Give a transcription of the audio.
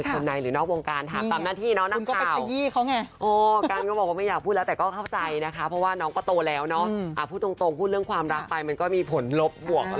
ขอบคุณมากครับ